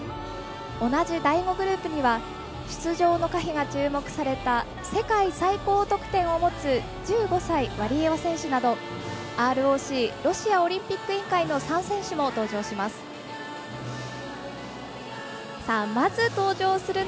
同じ第５グループには出場の可否が注目された世界最高得点を持つ１５歳、ワリエワ選手などＲＯＣ＝ロシアオリンピック委員会の３選手も登場します。